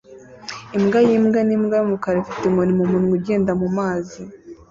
Imbwa yimbwa nimbwa yumukara ifite inkoni mumunwa ugenda mumazi